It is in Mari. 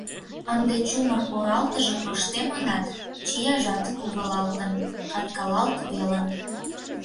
Ынде чумыр оралтыже тоштемынат, чияжат кувылалтын, каткалалт велын.